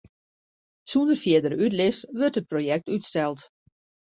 Sûnder fierdere útlis wurdt it projekt útsteld.